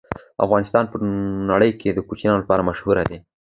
افغانستان په نړۍ کې د کوچیانو لپاره مشهور دی.